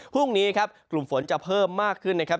พรุ่งนี้ครับกลุ่มฝนจะเพิ่มมากขึ้นนะครับ